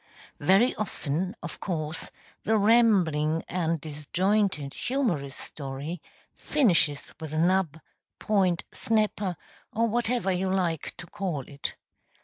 Very often, of course, the rambling and disjointed humorous story finishes with a nub, point, snapper, or whatever you like to call it.